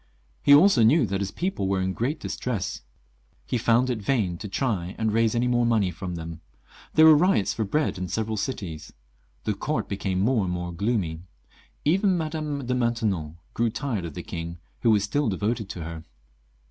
He also knew that his people were in great distress ; he found it vain to try and raise any more money from them. There were riots for bread in several cities. The court became more and more gloomy; even Madame de Maintenon grew tired of the king, who was still devoted to her.